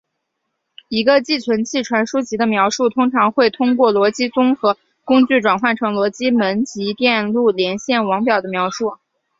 一个寄存器传输级的描述通常会通过逻辑综合工具转换成逻辑门级电路连线网表的描述。